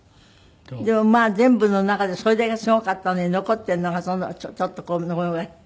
でもまあ全部の中でそれだけすごかったのに残っているのがそのちょっとこのぐらい？